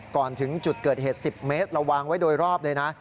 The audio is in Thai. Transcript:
ก่อนถึงจุดเกิดเหตุ๑๐เมตรเราวางไว้โดยรอบเลยนะ